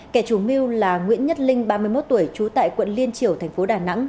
kẻ chủ mưu là nguyễn nhất linh ba mươi một tuổi trú tại quận liên triều thành phố đà nẵng